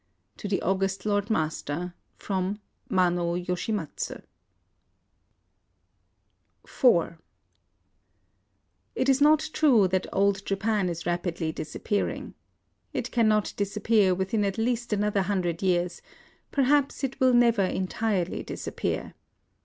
" To the August Lord Master^ "MANO YOSHIMATSU:' IV It is not true that Old Japan is rapidly disappearing. It cannot disappear within at least another hundred years; perhaps it will never entirely disappear.